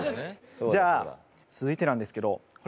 じゃあ続いてなんですけどこれ